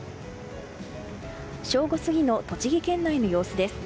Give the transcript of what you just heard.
正午過ぎの栃木県内の様子です。